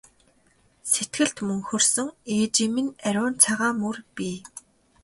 Сэтгэлд мөнхөрсөн ээжийн минь ариун цагаан мөр бий!